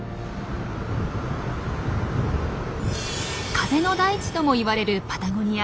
「風の大地」とも言われるパタゴニア。